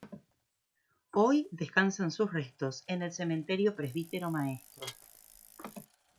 Hoy descansan sus restos en el Cementerio Presbítero Maestro.